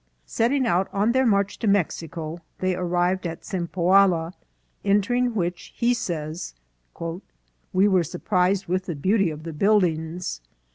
Setting out on their march to Mexico, they arrived at Cempoal, entering which, he says, " We were surprised with the beauty of the buildings."